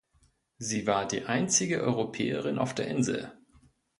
Sie war die einzige Europäerin auf der Insel.